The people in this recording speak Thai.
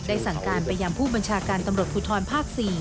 สั่งการไปยังผู้บัญชาการตำรวจภูทรภาค๔